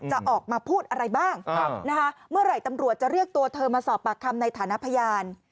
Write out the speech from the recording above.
จะออกมาพูดอะไรบ้างเมื่อไหร่ตำรวจจะเรียกตัวเธอมาสอบปากคำในฐานะพยาน